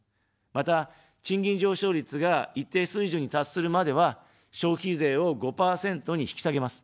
また、賃金上昇率が一定水準に達するまでは、消費税を５％に引き下げます。